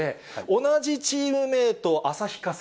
同じチームメート、旭化成。